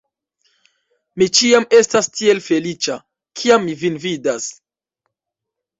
Mi ĉiam estas tiel feliĉa, kiam mi vin vidas!